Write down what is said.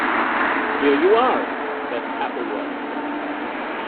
“Here you are!” said Pappleworth.